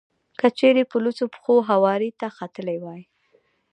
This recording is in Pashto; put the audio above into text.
که چېرې په لوڅو پښو هوارې ته ختلی وای.